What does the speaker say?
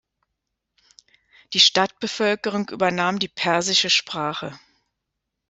Die Stadtbevölkerung übernahm die persische Sprache.